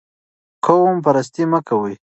قوم پرستي مه کوئ.